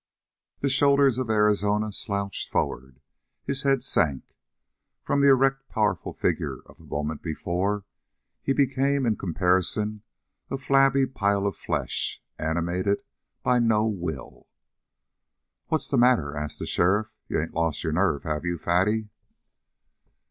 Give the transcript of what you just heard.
The shoulders of Arizona slouched forward, his head sank. From the erect, powerful figure of the moment before, he became, in comparison, a flabby pile of flesh, animated by no will. "What's the matter?" asked the sheriff. "You ain't lost your nerve, have you, Fatty?"